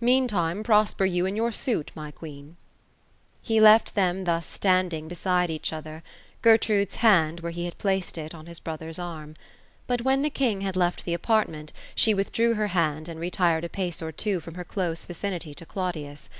Meantime, prosper you in your suit, my queen." He leTt them standing thus, beside each other; Gertrude's hand, where he had placed it, on his brother's arm. But when the king had left the apartment, she withdrew her band, and retired a pace or two from her close Ticinitj to Claudius.